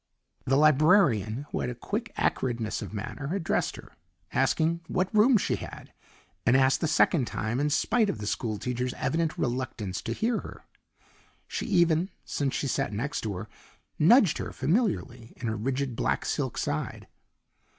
The librarian, who had a quick acridness of manner, addressed her, asking what room she had, and asked the second time in spite of the school teacher's evident reluctance to hear her. She even, since she sat next to her, nudged her familiarly in her rigid black silk side.